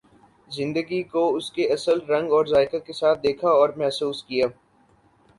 زندگی کو اس کے اصل رنگ اور ذائقہ کے ساتھ دیکھا اور محسوس کیا۔